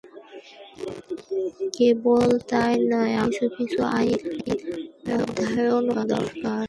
কেবল তাই নয়– আমাদের কিছু কিছু আইন অধ্যয়নও দরকার।